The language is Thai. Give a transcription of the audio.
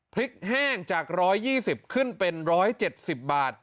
แห้งจาก๑๒๐ขึ้นเป็น๑๗๐บาท